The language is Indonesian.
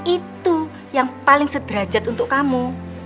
itu yang paling sederajat untuk kamu